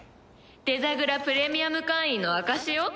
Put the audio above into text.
デザグラプレミアム会員の証しよ。